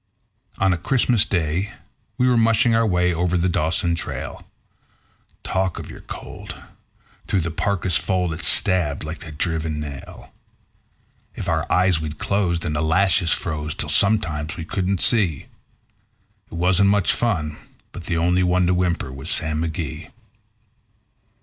On a Christmas Day we were mushing our way over the Dawson trail. Talk of your cold! through the parka's fold it stabbed like a driven nail. If our eyes we'd close, then the lashes froze till sometimes we couldn't see; It wasn't much fun, but the only one to whimper was Sam McGee.